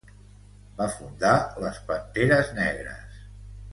Va fundar les Panteres Negres.